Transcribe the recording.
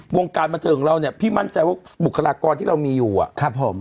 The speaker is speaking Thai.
วงการบันเทิงเราเนี่ยพี่มั่นใจว่าบุคลากรที่เรามีอยู่